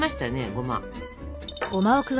ごま。